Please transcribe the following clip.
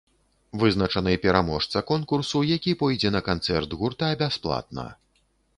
Вызначаны пераможца конкурсу, які пойдзе на канцэрт гурта бясплатна.